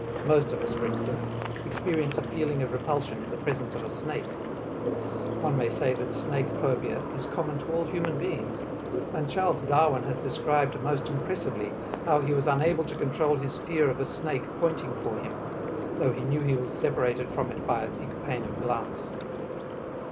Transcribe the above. Most of us, for instance, experience a feeling of repulsion in the presence of a snake. One may say that snakephobia is common to all human beings, and Charles Darwin has described most impressively how he was unable to control his fear of a snake pointing for him, though he knew he was separated from it by a thick pane of glass.